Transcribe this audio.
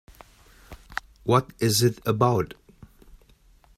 What is it about?